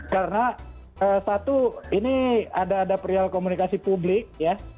karena satu ini ada ada perihal komunikasi publik ya